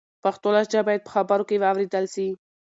پښتو لهجه باید په خبرو کې و اورېدل سي.